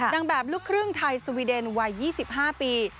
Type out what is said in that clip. นางแบบลูกครึ่งไทยสวีเดนวัย๒๕ปี